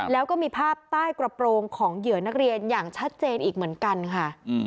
แล้วก็มีภาพใต้กระโปรงของเหยื่อนักเรียนอย่างชัดเจนอีกเหมือนกันค่ะ